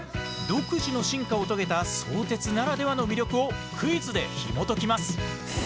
独自の進化を遂げた相鉄ならではの魅力をクイズでひもときます。